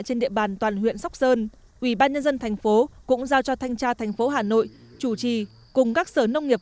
trên địa bàn toàn huyện sóc sơn ubnd tp cũng giao cho thanh tra thành phố hà nội chủ trì cùng các sở nông nghiệp